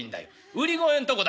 売り声んとこだけ」。